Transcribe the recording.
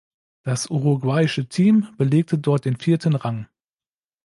Das uruguayische Team belegte dort den vierten Rang.